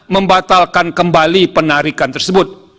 membatalkan kembali penarikan tersebut